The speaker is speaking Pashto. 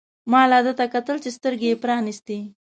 ما لا ده ته کتل چې سترګې يې پرانیستې.